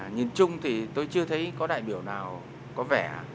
nhìn chung thì tôi chưa thấy có đại biểu nào có vẻ